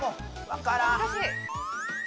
わからん。